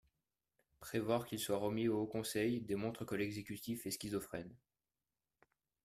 Prévoir qu’il soit remis au Haut Conseil démontre que l’exécutif est schizophrène